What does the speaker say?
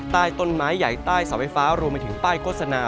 ใต้ต้นไม้ใหญ่ใต้สวยฟ้ารวมมาถึงป้ายโกสนา